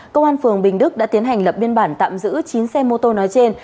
công an phường bình đức đã tiến hành lập biên bản tạm giữ chín xe mô tô nói trên